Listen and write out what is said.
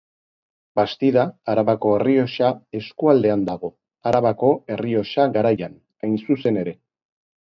Bastida Arabako Errioxa eskualdean dago, Arabako Errioxa Garaian, hain zuzen ere.